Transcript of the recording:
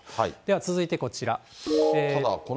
続いてこちら。